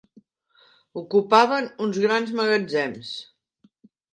Ocupaven uns grans magatzems